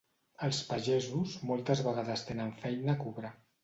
Els pagesos moltes vegades tenen feina a cobrar.